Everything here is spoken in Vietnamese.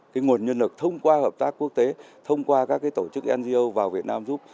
cái nguồn nhân lực thông qua hợp tác quốc tế thông qua các tổ chức ngo vào việt nam giúp